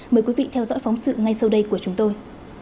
mời quý vị theo dõi phóng sự ngay sau đây của chúng tôi